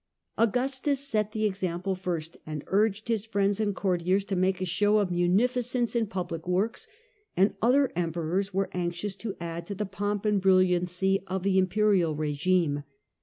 Augustus set the example first, and urged his friends and courtiers to make a show of munificence in public works, and other Emperors were anxious to add to the pomp and brilliancy of the imperial rigime.